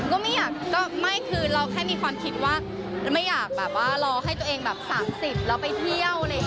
ก็ไม่อยากเราแค่มีความคิดว่าไม่อยากรอให้ตัวเองปี๓๐แล้วไปเที่ยว